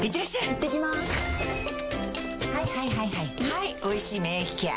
はい「おいしい免疫ケア」